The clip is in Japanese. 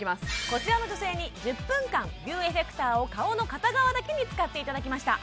こちらの女性に１０分間ビューエフェクターを顔の片側だけに使っていただきました